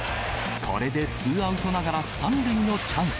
これでツーアウトながら３塁のチャンス。